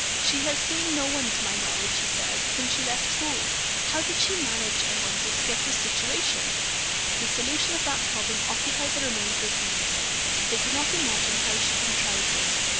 "She has seen no one, to my knowledge," he said, "since she left school. How did she manage, I wonder, to get this situation?" The solution of that problem occupied the remainder of the evening. They could not imagine how she had contrived it.